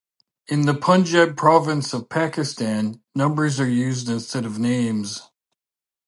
In the Punjab province of Pakistan, numbers are used instead of names.